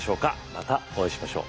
またお会いしましょう。